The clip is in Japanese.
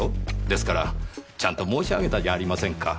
ですからちゃんと申し上げたじゃありませんか。